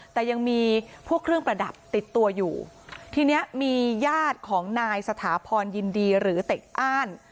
แต่ยังมีพวกเครื่องประดับติดตัวอยู่ทีเนี้ยมีญาติของนายสถาพรยินดีหรือเตะอ้าน